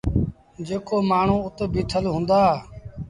جيڪو مآڻهوٚٚ اُت بيٚٺل هُݩدآ